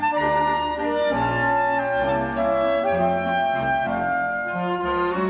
โปรดติดตามต่อไป